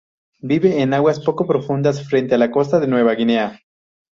Vive en aguas poco profundas frente a la costa de Nueva Guinea.